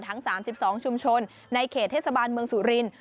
ทั้ง๓๒ชุมชนในเขตเทศบาลเมืองสุรินทร์